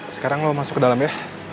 sekarang lo masuk ke dalam ya